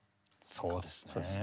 そうですね。